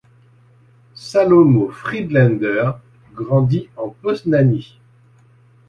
Salomo Friedlaender grandit en Posnanie.